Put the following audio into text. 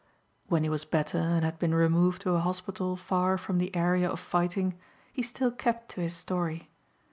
When he was better and had been removed to a hospital far from the area of fighting he still kept to his story.